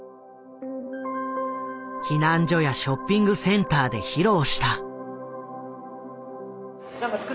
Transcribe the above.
避難所やショッピングセンターで披露した。